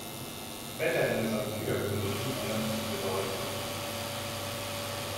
Später, in der Samkhya-Philosophie, ändert sich die Bedeutung.